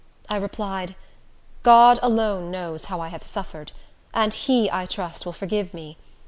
I replied, "God alone knows how I have suffered; and He, I trust, will forgive me.